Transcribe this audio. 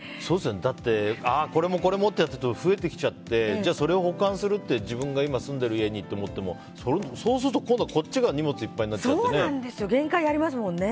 だって、これもこれもってやってると増えてきちゃってそれを保管するって自分の家にってなってもそうすると今度はこっちが荷物いっぱいになっちゃってね。